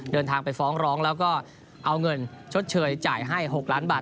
เดินทางไปฟ้องร้องแล้วก็เอาเงินชดเชยจ่ายให้๖ล้านบาท